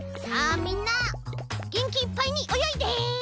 みんなげんきいっぱいにおよいで。